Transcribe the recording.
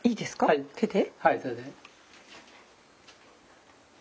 はい手で。